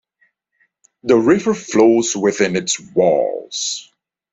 The river flows within its walls.